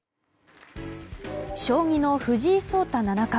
将棋の藤井聡太七冠。